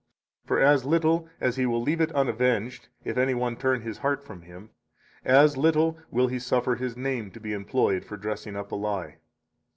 For as little as He will leave it unavenged if any one turn his heart from Him, as little will He suffer His name to be employed for dressing up a lie.